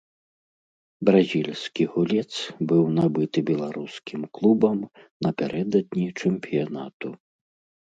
Бразільскі гулец быў набыты беларускім клубам напярэдадні чэмпіянату.